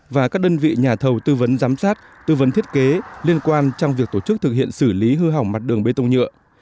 và các đơn vị nhà thầu tư vấn giám sát tư vấn thiết kế liên quan trong việc tổ chức thực hiện xử lý hư hỏng mặt đường bê tông nhựa